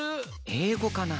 英語かな？